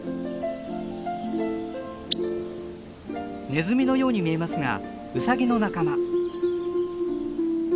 ネズミのように見えますがウサギの仲間。